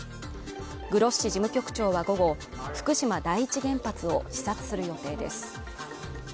グロッシ事務局長は午後福島第一を視察する予定です。